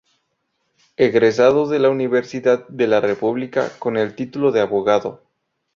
Egresado de la Universidad de la República con el título de abogado.